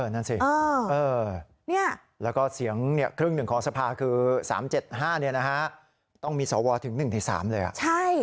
นั่นสิแล้วก็เสียงครึ่งหนึ่งของสภาคือ๓๗๕ต้องมีสวถึง๑ใน๓เลย